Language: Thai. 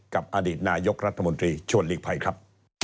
กับอดีตนายกรัฐมนตรีชวนหลีกภัยครับ